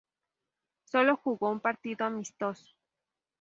Sólo jugó un partido amistoso.